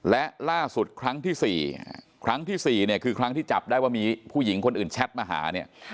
และล่าสุดครั้งที่๔ครั้งที่๔เนี่ยคือครั้งที่จับได้ว่ามีผู้หญิงคนอื่นแชทมาหาเนี่ย